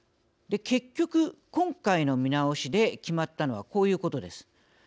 結局今回の見直しで決まったのはこういうことです。